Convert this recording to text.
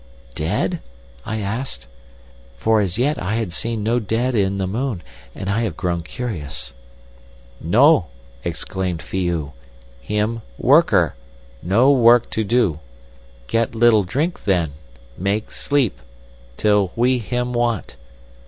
"'Dead?' I asked. (For as yet I have seen no dead in the moon, and I have grown curious.) "'No!' exclaimed Phi oo. 'Him—worker—no work to do. Get little drink then—make sleep—till we him want.